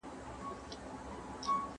¬ د پاسه مسله راغله، په درست جهان خوره راغله.